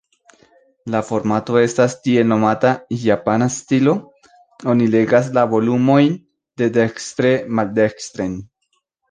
La formato estas tiel-nomata "Japana stilo"; oni legas la volumojn dedekstre-maldekstren.